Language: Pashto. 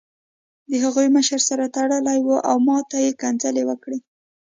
د هغوی مشر سر تړلی و او ماته یې کنځلې وکړې